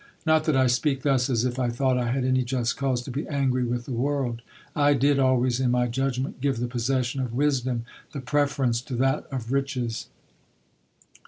_ Not that I speak thus as if I thought I had any just cause to be angry with the world I did always in my judgment give the possession of wisdom the preference to that of riches!"